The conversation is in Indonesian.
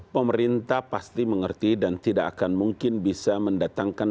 pemerintah pasti mengerti dan tidak akan mungkin bisa mendatangkan